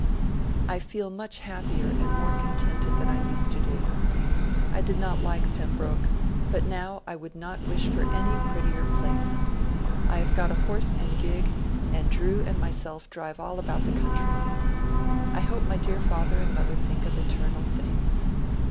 I feel much happier and more contented than I used to do. I did not like Pembroke, but now I would not wish for any prettier place. I have got a horse and gig, and Drew and myself drive all about the country. I hope my dear father and mother think of eternal things